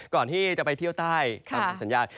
ก่อนที่จะไปเที่ยวใต้เมื่อกลับสัญญาณ